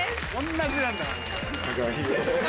同じなんだもん。